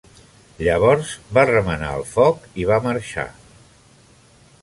Llavors va remenar el foc i va marxar.